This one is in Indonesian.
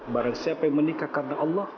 barang siapa yang menikah karena allah